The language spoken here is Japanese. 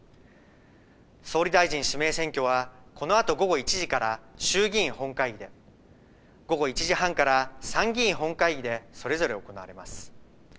総理大臣指名選挙はこのあと午後１時から衆議院本会議、午後１時半から参議院本会議でそれぞれ行われます。